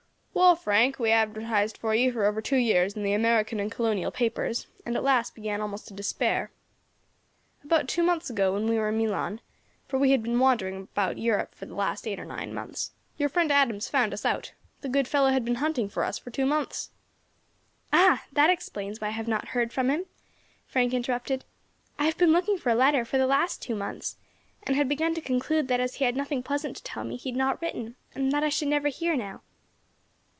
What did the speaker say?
"Well, Frank, we advertised for you, for over two years, in the American and Colonial papers, and at last began almost to despair. "About two months ago, when we were in Milan for we have been wandering about Europe for the last eight or nine months your friend Adams found us out; the good fellow had been hunting for us for two months." "Ah! that explains why I have not heard from him," Frank interrupted. "I have been looking for a letter for the last two months, and had begun to conclude that as he had nothing pleasant to tell me he had not written, and that I should never hear now."